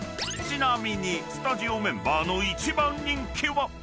［ちなみにスタジオメンバーの一番人気は］